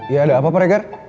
ya ada apa pak regar